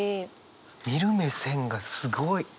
見る目線がすごい！